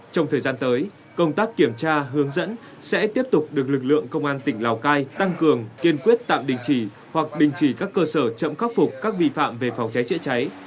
trong thời gian tới công tác kiểm tra hướng dẫn sẽ tiếp tục được lực lượng công an tỉnh lào cai tăng cường kiên quyết tạm đình chỉ hoặc đình chỉ các cơ sở chậm khắc phục các vi phạm về phòng cháy chữa cháy